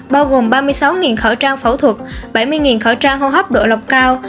bao gồm ba mươi sáu khẩu trang phẫu thuật bảy mươi khẩu trang hô hấp độ lọc cao